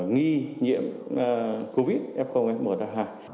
nghi nhiễm covid một mươi chín f f một a hai